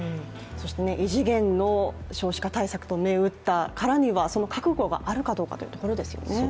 異次元の少子化対策と銘打ったからには、その覚悟があるかどうかということですね。